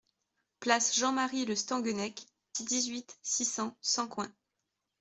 Place Jean-Marie Le Stanguennec, dix-huit, six cents Sancoins